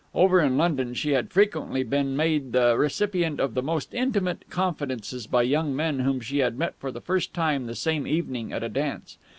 Over in London, she had frequently been made the recipient of the most intimate confidences by young men whom she had met for the first time the same evening at a dance.